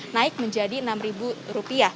naik menjadi rp enam